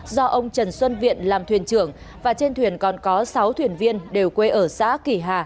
do ông trần xuân viện làm thuyền trưởng và trên thuyền còn có sáu thuyền viên đều quê ở xã kỳ hà